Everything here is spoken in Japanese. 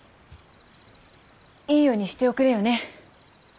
いい世にしておくれよね！